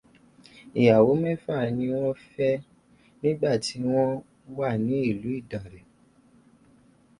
Ìyàwó mẹ́fà ni wọ́n fẹ́ nígbà tí wọ́n wà ní ìlú ìdànrè.